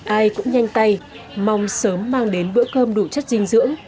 ai cũng nhanh tay mong sớm mang đến bữa cơm đủ chất dinh dưỡng